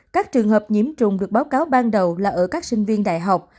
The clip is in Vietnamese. các trường hợp nhiễm trùng được báo cáo ban đầu là ở các sinh viên đại học